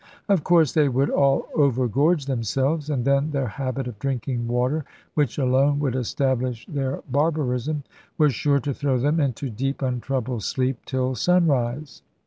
Of course they would all overgorge themselves, and then their habit of drinking water, which alone would establish their barbarism, was sure to throw them into deep untroubled sleep till sunrise.